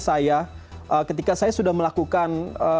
saya ketika saya sudah melakukan